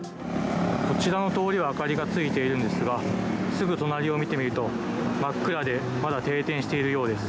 こちらの通りは明かりがついているんですがすぐ隣を見てみると真っ暗でまだ停電しているようです。